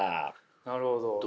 なるほど。